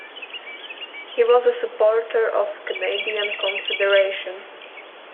He was a supporter of Canadian confederation.